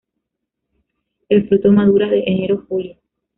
El fruto madura de enero a julio.